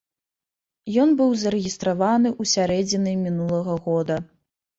Ён быў зарэгістраваны ў сярэдзіне мінулага года.